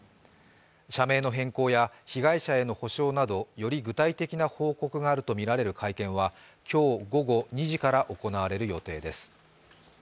社名の変更や被害者への補償などより具体的な報告があるとみられる会見は今日午後２時から行われる予定です。